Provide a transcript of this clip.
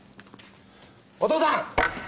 お父さん！